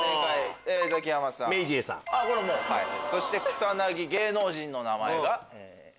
そして草薙芸能人の名前が？